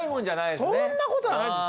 そんなことはないです。